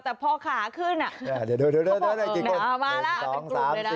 แต่พอขาขึ้นเขาก็พอออกไป